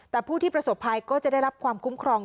แต่ผู้ที่ประสบภัยก็จะได้รับความคุ้มครอง